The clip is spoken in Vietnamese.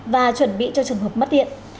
và chuẩn bị cho trường hợp mất điện